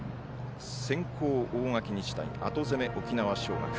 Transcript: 先攻、大垣日大後攻め、沖縄尚学。